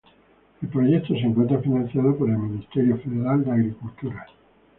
El proyecto se encuentra financiado por el Ministerio Federal de Agricultura.